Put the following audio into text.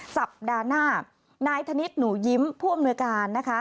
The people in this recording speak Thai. สัปดาห์หน้านายธนิษฐ์หนูยิ้มผู้อำนวยการนะคะ